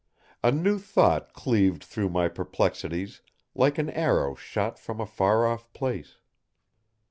A new thought cleaved through my perplexities like an arrow shot from a far off place.